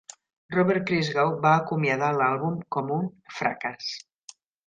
Robert Christgau va acomiadar l'àlbum com un "fracàs".